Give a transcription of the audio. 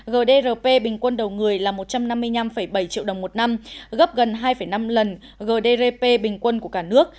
gdrp bình quân đầu người là một trăm năm mươi năm bảy triệu đồng một năm gấp gần hai năm lần